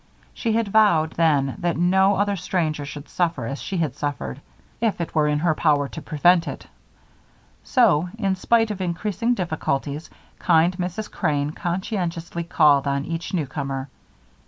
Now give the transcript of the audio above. She had vowed then that no other stranger should suffer as she had suffered, if it were in her power to prevent it; so, in spite of increasing difficulties, kind Mrs. Crane conscientiously called on each newcomer.